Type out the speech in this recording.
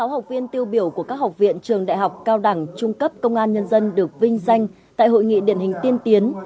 sáu học viên tiêu biểu của các học viện trường đại học cao đẳng trung cấp công an nhân dân được vinh danh tại hội nghị điển hình tiên tiến